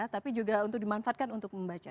tapi juga untuk dimanfaatkan untuk membaca